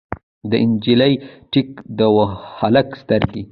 د نجلۍ ټیک، د هلک سترګې